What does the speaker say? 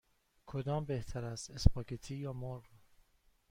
کدام بهتر است: اسپاگتی یا مرغ؟